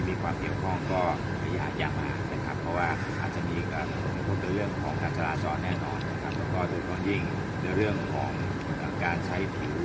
ในเรื่องของงานจราจรแน่นอนนะครับแล้วก็โดยกว่ายิ่งในเรื่องของการใช้ผิว